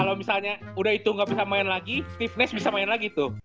kalau misalnya udah itu gak bisa main lagi steve nash bisa main lagi tuh